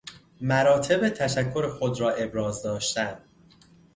مراتب تشکر خود را ابراز داشتن